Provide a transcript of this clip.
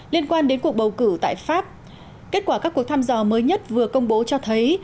liên quan đến cuộc bầu cử tại pháp kết quả các cuộc thăm dò mới nhất vừa công bố cho thấy